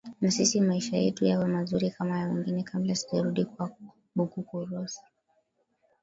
na sisi maisha yetu yawe mazuri kama ya wengine kabla sijarudi kwako bukuku rosi